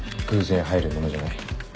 偶然入るものじゃない。